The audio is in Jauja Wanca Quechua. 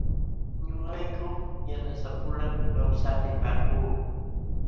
Ñuqayku yanasapulam awsaq lipaakuu.